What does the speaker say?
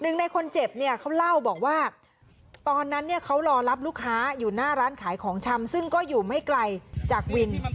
ในคนเจ็บเนี่ยเขาเล่าบอกว่าตอนนั้นเนี่ยเขารอรับลูกค้าอยู่หน้าร้านขายของชำซึ่งก็อยู่ไม่ไกลจากวิน